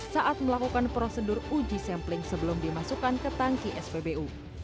saat melakukan prosedur uji sampling sebelum dimasukkan ke tangki spbu